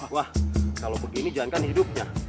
wah kalau begini jalan kan hidupnya